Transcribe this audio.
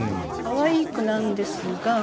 かわいい句なんですが。